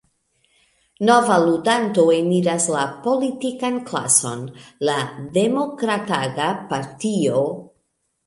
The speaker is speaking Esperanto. Nova ludanto eniras la politikan klason: la Demokrat-aga Partio.